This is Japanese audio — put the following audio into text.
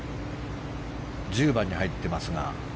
１０番に入ってますが。